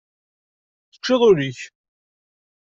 Teččiḍ ul-ik.